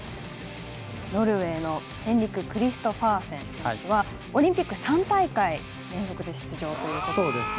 ノルウェーのヘンリク・クリストファーセン選手はオリンピック３大会連続で出場と。